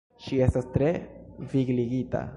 Ŝi estas tre vigligita.